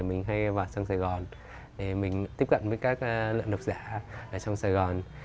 mình hay vào sân sài gòn để mình tiếp cận với các lợn độc giả ở trong sài gòn